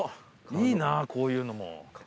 いいなこういうのも！